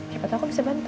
siapa tau aku bisa bantu